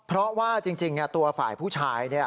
เพราะว่าจริงตัวฝ่ายผู้ชาย